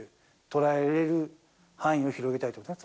捉えられる範囲を広げたいということね。